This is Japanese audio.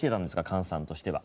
菅さんとしては。